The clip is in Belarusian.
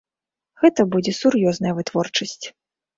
Гэта будзе сур'ёзная вытворчасць.